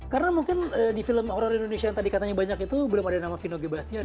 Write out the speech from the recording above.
karena mungkin di film horror indonesia yang tadi katanya banyak itu belum ada nama vino gebastian